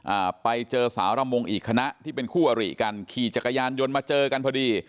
อ่าไปเจอสาวระมงอีกคณะที่เป็นคู่อริกันขี่จักรยานยนต์มาเจอกันพอดี